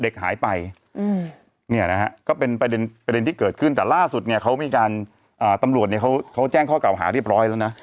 คืนแต่ล่าสุดเขามีการตำรวจเขาแจ้งข้อเกราะหาเรียบร้อยแล้วนะ